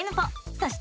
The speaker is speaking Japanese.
そして。